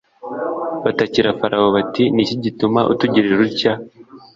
batakira Farawo bati Ni iki gitumye utugirira utya